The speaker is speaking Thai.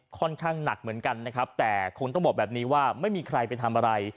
ค่อนข้างหนักเหมือนกันนะครับแต่คงต้องบอกแบบนี้ว่าไม่มีใครไปทำอะไร